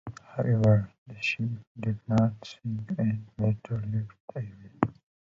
However, the ship did not sink and later left the area.